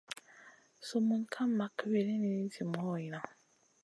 Sumun ka mak wulini zi moyna.